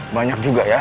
banyak juga ya